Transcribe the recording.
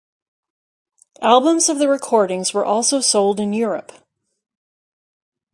Albums of the recordings were also sold in Europe.